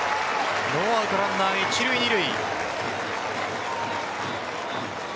ノーアウトランナー一塁・二塁。